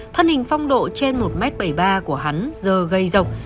thân hình phong độ trên một m bảy mươi ba của hắn giờ gây rộng